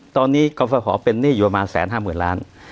ตอนนี้กรฟภเป็นหนี้อยู่ประมาณ๑๕๐๐๐ล้าน